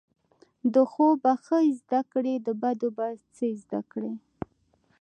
د ښو به ښه زده کړی، د بدو به څه زده کړی